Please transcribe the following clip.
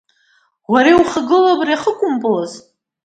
Уара иухагылоу абри ахы кәымпыл азы.